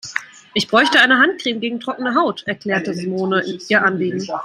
Ich bräuchte eine Handcreme gegen trockene Haut, erklärte Simone ihr Anliegen.